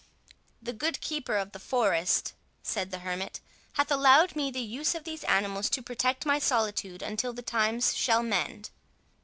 "The good keeper of the forest," said the hermit, "hath allowed me the use of these animals, to protect my solitude until the times shall mend."